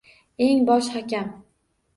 Eng bosh hakam, —